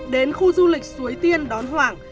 đến khu du lịch suối tiên đón hoàng